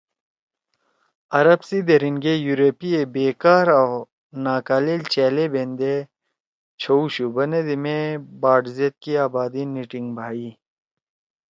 عرب سی دھیریِن گے یورپی ئے بےکار او ناکالیل چألے بیندے چھؤشُو بنَدی مے باٹ زید کی آبادی نی ٹیِنگ بھائی